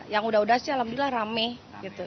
yang udah udah sih alhamdulillah rame gitu